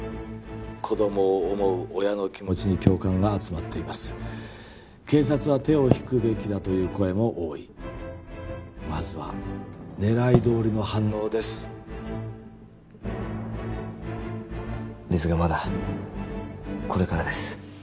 子供を思う親の気持ちに共感が集まっています「警察は手を引くべきだ」という声も多いまずは狙いどおりの反応ですですがまだこれからです